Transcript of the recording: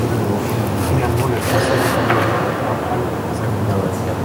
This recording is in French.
Finalement, les Français rétablirent l’ordre à Al-Hasaka.